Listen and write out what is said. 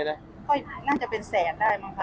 ก็น่าจะเป็นแสนได้มั้งค